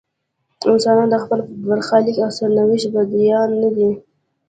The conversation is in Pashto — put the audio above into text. انسانان د خپل برخلیک او سرنوشت بندیان نه دي.